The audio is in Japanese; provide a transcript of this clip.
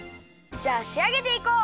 じゃあしあげていこう！